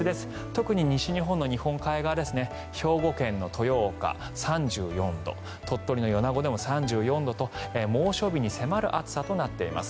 特に西日本の日本海側兵庫県の豊岡３４度鳥取の米子でも３４度と猛暑日に迫る暑さとなっています。